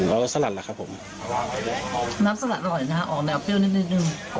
แล้วก็สลัดแหละครับผมน้ำสลัดอร่อยนะฮะออกแนวเปรี้ยวนิดนิดนึง